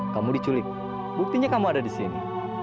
kamu diculik buktinya kamu ada di sini